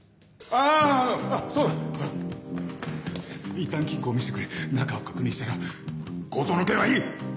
いったん金庫を見せてくれ中を確認したら強盗の件はいい！